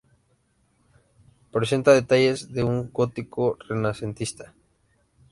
Presenta detalles de un Gótico renacentista.